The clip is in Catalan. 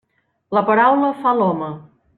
La paraula fa l'home.